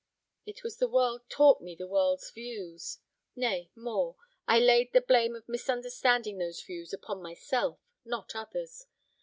It was the world taught me the world's views. Nay, more, I laid the blame of misunderstanding those views upon myself, not others.